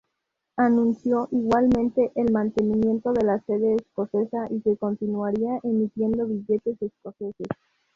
Anunció igualmente el mantenimiento de la sede escocesa y que continuaría emitiendo billetes escoceses.